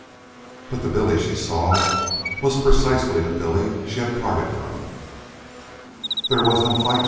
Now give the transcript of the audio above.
But the Billy she saw was precisely the Billy she had parted from. "There was no fight?"